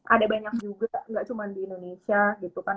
ada banyak juga nggak cuma di indonesia gitu kan